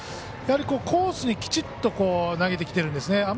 やはりコースにきちっと投げてきているんですね。